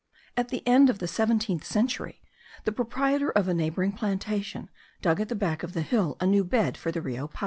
At the end of the seventeenth century, the proprietor of a neighbouring plantation dug at the back of the hill a new bed for the Rio Pao.